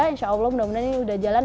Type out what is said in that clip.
insya allah mudah mudahan ini sudah jalan